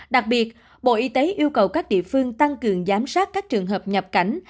đặc biệt bộ y tế yêu cầu các địa phương tăng cường giám sát các trường hợp nhập cảnh